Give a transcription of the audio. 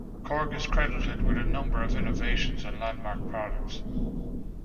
Korg is credited with a number of innovations and landmark products.